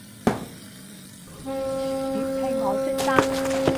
粵拼我識得